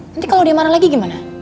nanti kalau dia marah lagi gimana